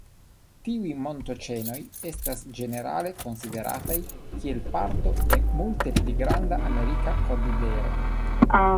Tiuj montoĉenoj estas ĝenerale konsiderataj kiel parto de multe pli granda Amerika kordilero.